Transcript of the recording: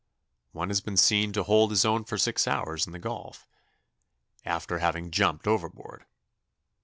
One has been seen to hold his own for six hours in the gulf, after having jumped overboard.